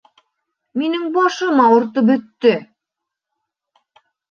— Минең башым ауыртып бөттө.